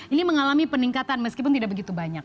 ini mengalami peningkatan meskipun tidak begitu banyak